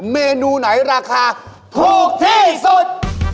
เมนูไหนราคาถูกที่สุด